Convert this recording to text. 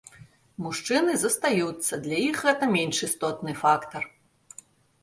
Мужчыны застаюцца, для іх гэта менш істотны фактар.